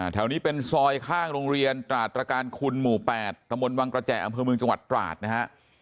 แถวนี้เป็นซอยข้างโรงเรียนตราดตรการคุณหมู่๘ตะมนต์วังกระแจอำเภอเมืองจังหวัดตราดนะฮะ